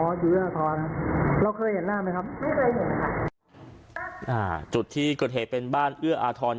อยู่เอื้ออาทรครับเราเคยเห็นหน้าไหมครับไม่เคยเห็นค่ะอ่าจุดที่เกิดเหตุเป็นบ้านเอื้ออาทร